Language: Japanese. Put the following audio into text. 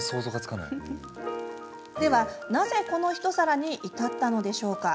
では、なぜこの一皿に至ったのでしょうか？